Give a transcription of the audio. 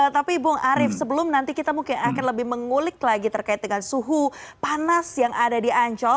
tapi bung arief sebelum nanti kita mungkin akan lebih mengulik lagi terkait dengan suhu panas yang ada di ancol